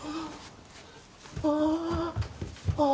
ああ！